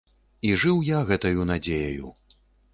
І жыў я гэтаю надзеяю.